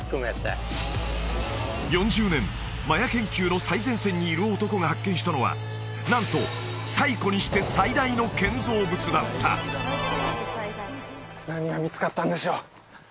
４０年マヤ研究の最前線にいる男が発見したのはなんと最古にして最大の建造物だった何が見つかったんでしょう？